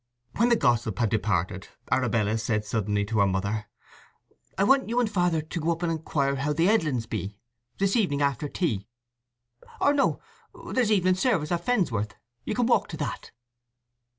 When the gossip had departed Arabella said suddenly to her mother: "I want you and Father to go and inquire how the Edlins be, this evening after tea. Or no—there's evening service at Fensworth—you can walk to that."